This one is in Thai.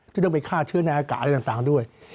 ที่ต้องไปฆ่าเชื้อในอากาศอะไรต่างด้วย